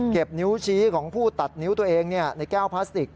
นิ้วชี้ของผู้ตัดนิ้วตัวเองในแก้วพลาสติก